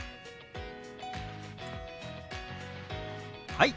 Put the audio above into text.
はい！